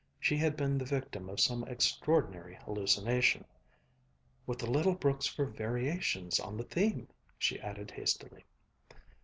She had been the victim of some extraordinary hallucination: " with the little brooks for variations on the theme," she added hastily.